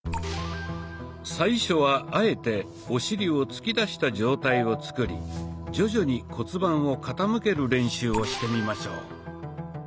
最初はあえてお尻を突き出した状態を作り徐々に骨盤を傾ける練習をしてみましょう。